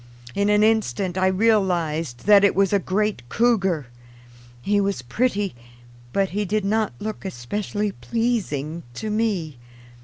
In an instant I realized that it was a great cougar. He was pretty, but he did not look especially pleasing to me.